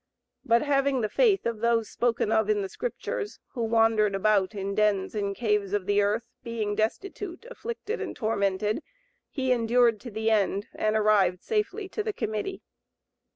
But having the faith of those spoken of in the Scriptures, who wandered about in dens and caves of the earth, being destitute, afflicted and tormented, he endured to the end and arrived safely to the Committee.